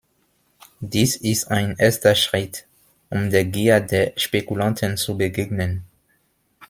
Dies ist ein erster Schritt, um der Gier der Spekulanten zu begegnen.